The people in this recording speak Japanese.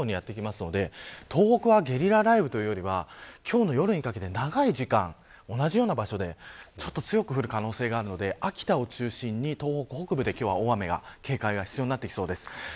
これが、この後東北地方にやってきますので東北はゲリラ雷雨というよりは今日の夜にかけて、長い時間同じような場所で強く降る可能性があるので秋田を中心に東北北部で今日は大雨に警戒が必要です。